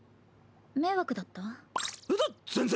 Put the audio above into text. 迷惑だった？ぜ全然！